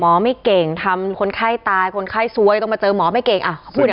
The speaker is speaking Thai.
ไม่เก่งทำคนไข้ตายคนไข้ซวยต้องมาเจอหมอไม่เก่ง